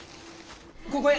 ここへ。